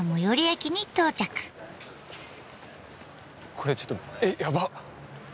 これちょっとえっやばっ。